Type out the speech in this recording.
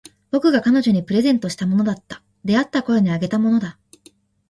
僕が彼女にプレゼントしたものだった。出会ったころにあげたものだ。